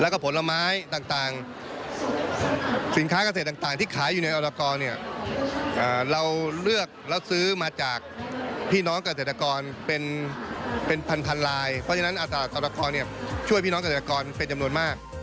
คือมาจากพี่น้องเกษตรกรเป็นพันธุ์ลายเพราะฉะนั้นออตกอร์ช่วยพี่น้องเกษตรกรเป็นจำนวนมาก